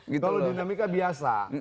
kalau dinamika biasa